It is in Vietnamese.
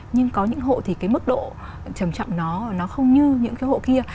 nhưng có những hộ thì cái mức độ trầm trọng nó không như những cái hộ kia